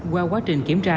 qua quá trình kiểm tra